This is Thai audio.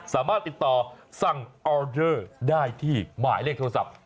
สามารถติดต่อสั่งออเดอร์ได้ที่หมายเลขโทรศัพท์